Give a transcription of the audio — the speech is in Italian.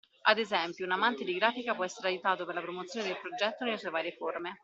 Ad esempio un amante di grafica può essere di aiuto per la promozione del progetto nelle sue varie forme.